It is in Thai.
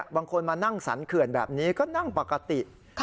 บางคนมานั่งสรรเขื่อนแบบนี้ก็นั่งปกติ